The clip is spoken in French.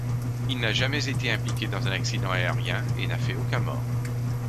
Il n'a jamais été impliqué dans un accident aérien et n'a fait aucun mort.